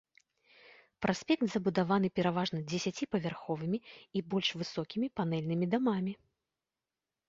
Праспект забудаваны пераважна дзевяціпавярховымі і больш высокімі панэльнымі дамамі.